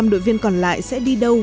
hai mươi năm đội viên còn lại sẽ đi đâu